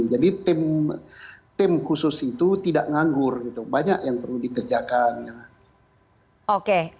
jadi tim khusus itu tidak nganggur banyak yang perlu dikerjakan